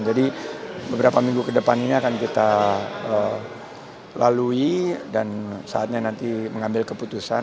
jadi beberapa minggu ke depan ini akan kita lalui dan saatnya nanti mengambil keputusan